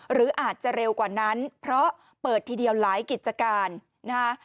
หรืออาจจะเร็วกว่านั้นเพราะเปิดทีเดียวหลายกิจการนะฮะ